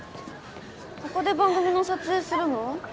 ここで番組の撮影するの？